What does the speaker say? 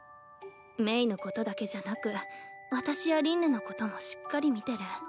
鳴のことだけじゃなく私や凛音のこともしっかり見てる。